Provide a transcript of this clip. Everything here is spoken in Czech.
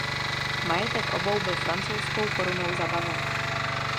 Majetek obou byl francouzskou korunou zabaven.